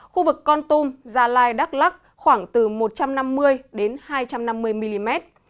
khu vực con tum gia lai đắk lắc khoảng từ một trăm năm mươi đến hai trăm năm mươi mm